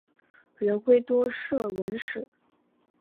元晖多涉文史。